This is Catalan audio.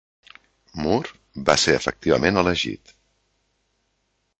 Moore va ser efectivament elegit.